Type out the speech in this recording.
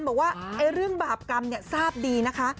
บอกว่าเรื่องบาปกรรมทราบดีนะคะ